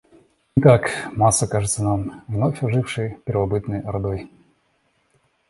Итак, масса кажется нам вновь ожившей первобытной ордой.